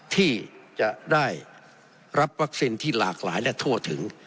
ที่จะได้รับวัคซีนที่หลากหลายและทั่วถึง